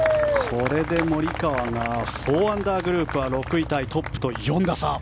これでモリカワが４アンダーグループは６位タイトップと４打差。